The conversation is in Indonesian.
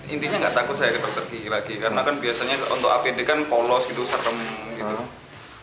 intinya nggak takut saya ke dokter gigi lagi karena kan biasanya untuk apd kan polos gitu serem gitu